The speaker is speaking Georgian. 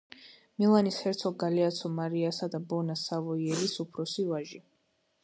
მილანის ჰერცოგ გალეაცო მარიასა და ბონა სავოიელის უფროსი ვაჟი.